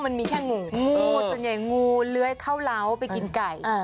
มันมีแค่งูงูส่วนใหญ่งูเลื้อยเข้าเล้าไปกินไก่